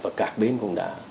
và các bên cũng đã